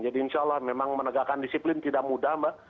insya allah memang menegakkan disiplin tidak mudah mbak